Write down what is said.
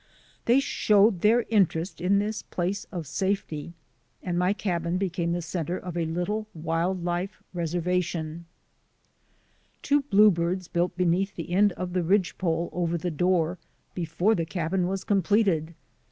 They showed their interest in this place of safety, and my cabin became the centre of a little wild life reservation. i 4 6 THE ADVENTURES OF A NATURE GUIDE Two bluebirds built beneath the end of the ridgepole over the door before the cabin was com pleted.